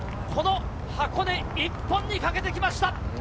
この箱根一本にかけてきました。